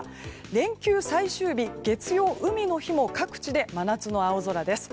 連休最終日月曜の海の日も、各地で真夏の青空です。